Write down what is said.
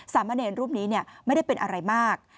สามเณรรูปนี้ไม่ได้เป็นอะไรมาก